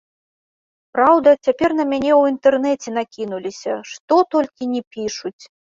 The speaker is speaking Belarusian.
Праўда, цяпер на мяне ў інтэрнэце накінуліся, што толькі ні пішуць!